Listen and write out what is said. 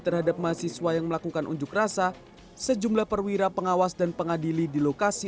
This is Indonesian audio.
terhadap mahasiswa yang melakukan unjuk rasa sejumlah perwira pengawas dan pengadili di lokasi